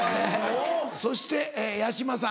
そして矢島さん。